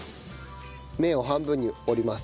麺を半分に折ります。